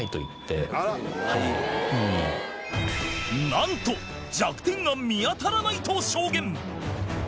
なんと弱点が見当たらないと証言